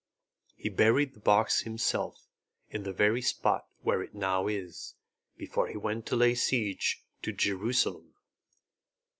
He buried the box himself in the very spot where it now is, before he went to lay siege to Jerusalem.